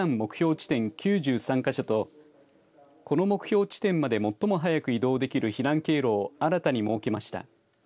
地点９３か所とこの目標地点まで最も早く移動できる避難経路を新たに設けました。